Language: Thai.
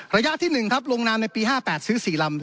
ระยะที่๑ลงน้ำในปี๕๘ซื้อ๔ลำ